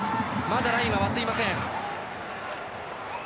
まだライン割っていません。